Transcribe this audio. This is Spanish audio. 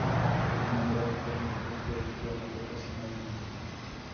Sin embargo, actualmente es producida muy ocasionalmente.